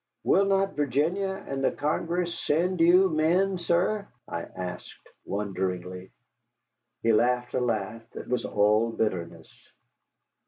"Will not Virginia and the Congress send you men, sir?" I asked wonderingly. He laughed a laugh that was all bitterness.